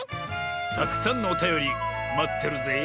たくさんのおたよりまってるぜえ